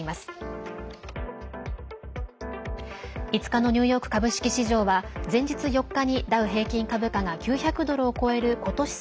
５日のニューヨーク株式市場は前日４日にダウ平均株価が９００ドルを超えることし